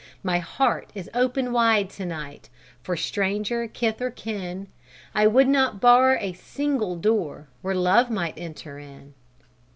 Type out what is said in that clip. "My heart is open wide to night For stranger, kith, or kin; I would not bar a single door Where Love might enter in!"